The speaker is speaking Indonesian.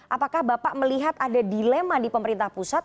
apakah bapak melihat ada dilema di pemerintah pusat